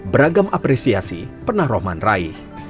beragam apresiasi pernah rohman raih